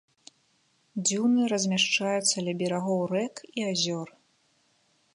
Дзюны размяшчаюцца ля берагоў рэк і азёр.